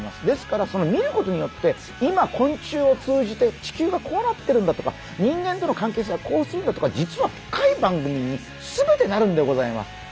ですから見ることによって今昆虫を通じて地球がこうなってるんだとか人間との関係性はこうするんだとか実は深い番組に全てなるんでございます。